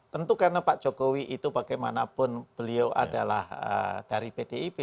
tentu karena pak jokowi itu bagaimanapun beliau adalah dari pdip